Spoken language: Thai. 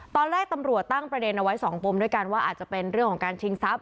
ตอนแรกตำรวจตั้งประเด็นเอาไว้๒ปมด้วยกันว่าอาจจะเป็นเรื่องของการชิงทรัพย